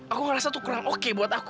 aku ngerasa itu kurang oke buat aku